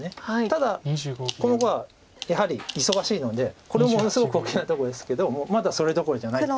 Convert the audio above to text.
ただこの碁はやはり忙しいのでこれもものすごく大きなとこですけどまだそれどころじゃない。